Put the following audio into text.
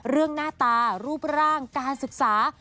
เรื่องหน้าตารูปร่างการศึกษา